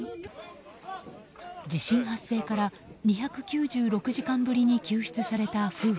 地震発生から２９６時間ぶりに救出された夫婦。